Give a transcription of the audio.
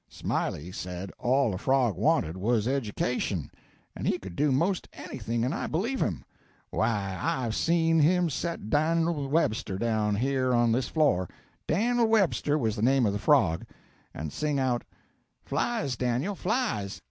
Smiley said all a frog wanted was education, and he could do 'most anything and I believe him. Why, I've seen him set Dan'l Webster down here on this flor Dan'l Webster was the name of the frog and sing out, 'Flies, Dan'l, flies!'